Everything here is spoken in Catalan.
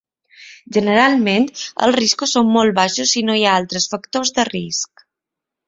Generalment, els riscos són molt baixos si no hi ha altres factors de risc.